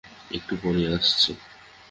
একটু পরই আসছি।